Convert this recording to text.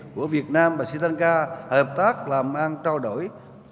của việt nam và sri lanka hợp tác làm ăn trao đổi